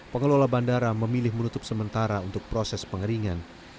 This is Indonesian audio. pengelola bandara memilih menutup sementara untuk proses pengeringan